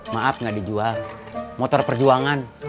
maaf nggak dijual motor perjuangan